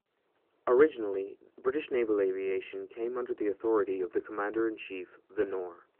Originally, British naval aviation came under the authority of the Commander-in-Chief, The Nore.